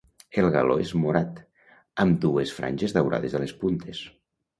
El galó és morat, amb dues franges daurades a les puntes.